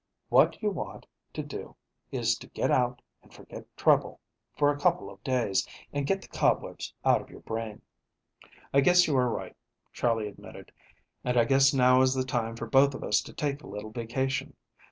What you want to do is to get out and forget trouble for a couple of days and get the cobwebs out of your brain." "I guess you are right," Charley admitted, "and I guess now is the time for both of us to take a little vacation.